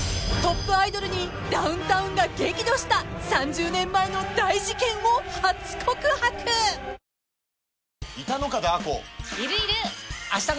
［トップアイドルにダウンタウンが激怒した３０年前の大事件を初告白］